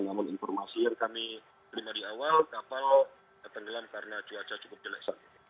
namun informasi yang kami terima di awal kapal tenggelam karena cuaca cukup jelek